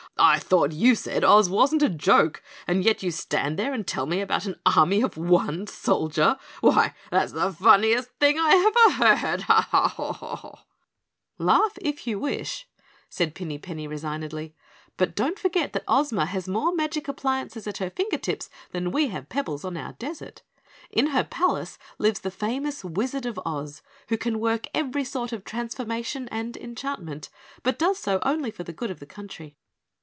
I thought you said Oz wasn't a joke and yet you stand there and tell me about an army of one soldier. Why, that's the funniest thing I ever heard. Ha, haw, haw!" "Laugh if you wish," said Pinny Penny resignedly, "but don't forget that Ozma has more magic appliances at her finger tips than we have pebbles on our desert. In her palace lives the famous Wizard of Oz, who can work every sort of transformation and enchantment, but does so only for the good of the country."